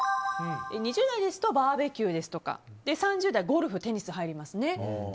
２０代ですとバーベキューですとか３０代はゴルフやテニスが入ります。